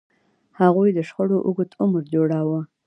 هغوی د شخړو اوږد عمر جوړاوه.